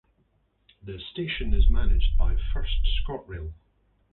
The station is managed by First ScotRail.